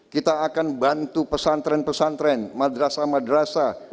kita akan bantu pesantren pesantren madrasah madrasah